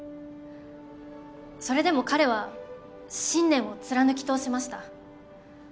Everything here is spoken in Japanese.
それでも彼は信念を貫き通しました。